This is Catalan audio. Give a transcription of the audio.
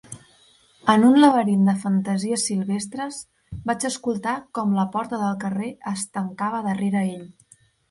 En un laberint de fantasies silvestres vaig escoltar com la porta del carrer es tancava darrera ell.